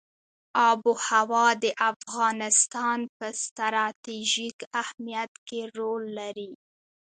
آب وهوا د افغانستان په ستراتیژیک اهمیت کې رول لري.